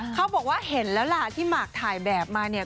เขาบอกว่าเห็นแล้วล่ะที่หมากถ่ายแบบมาเนี่ย